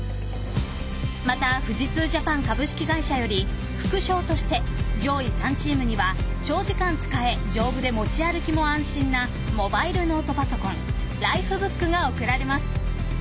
また富士通Ｊａｐａｎ株式会社より副賞として上位３チームには長時間使え、丈夫で持ち歩きも安心なモバイルノートパソコンＬＩＦＥＢＯＯＫが贈られます。